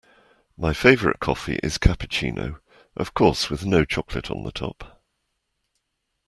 My favourite coffee is cappuccino, of course with no chocolate on the top